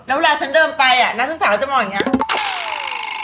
แล้วเวลาฉันเดินไปนักศึกษาจะมองอย่างนี้